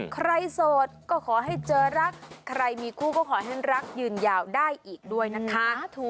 โสดก็ขอให้เจอรักใครมีคู่ก็ขอให้รักยืนยาวได้อีกด้วยนะคะ